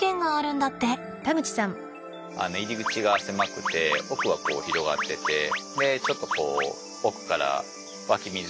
入り口が狭くて奥はこう広がっててちょっとこう奥から湧き水があるっていうような。